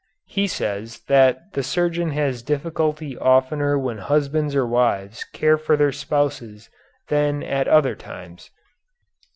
He says that the surgeon has difficulty oftener when husbands or wives care for their spouses than at other times.